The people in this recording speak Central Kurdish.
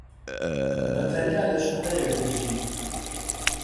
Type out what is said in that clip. بەتەنیا لە شوقەیەک دەژی.